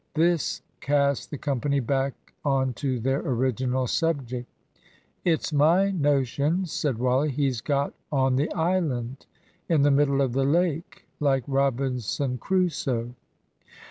This cast the company back on to their original subject. "It's my notion," said Wally, "he's got on the island in the middle of the lake, like Robinson Crusoe."